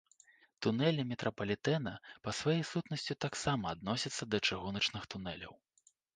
Тунэлі метрапалітэна па сваёй сутнасці таксама адносяцца да чыгуначных тунэляў.